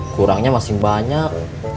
kurangnya masih banyak